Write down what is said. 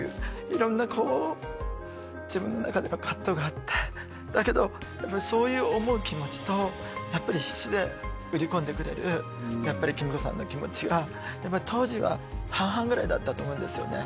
色んなこう自分の中での葛藤があってだけどやっぱりそういう思う気持ちとやっぱり必死で売り込んでくれる公子さんの気持ちはやっぱ当時は半々ぐらいだったと思うんですよね